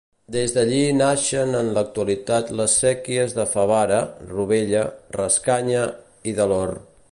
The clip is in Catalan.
Des d'allí naixen en l'actualitat les séquies de Favara, Rovella, Rascanya i de l'Or.